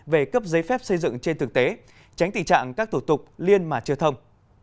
về cấp giấy phép xây dựng trên thực tế tránh tình trạng các thủ tục liên mà chưa thông